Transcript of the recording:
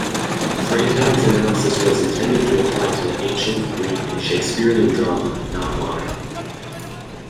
Freytag's analysis was intended to apply to ancient Greek and Shakespearean drama, not modern.